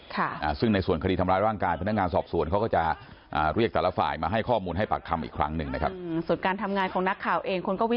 เพื่อมีเรื่องเวลาก็เดี๋ยวเราต้องมานั่งคุยกันครับ